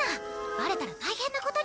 バレたら大変なことになるぞ！